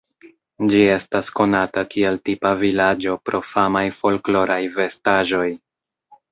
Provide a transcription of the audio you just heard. Ĝi estas konata kiel tipa vilaĝo pro famaj folkloraj vestaĵoj.